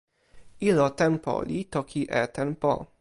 ilo tenpo li toki e tenpo.